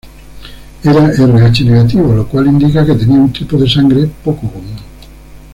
Era Rh negativo, lo cual indica que tenía un tipo de sangre poco común.